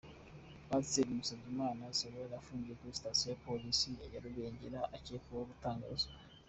Pasteur Musabyimana Zabulon afungiye kuri sitasiyo ya Polisi ya Rubengera akekwaho gutanga ruswa.